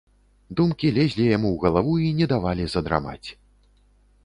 Думкі лезлі яму ў галаву і не давалі задрамаць.